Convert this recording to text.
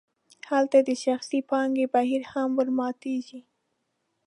هلته د شخصي پانګې بهیر هم ورماتیږي.